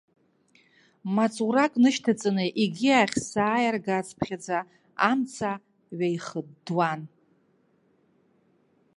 Маҵурак нышьҭаҵаны егьи ахь сааиаргацыԥхьаӡа амца ҩаихыддуан.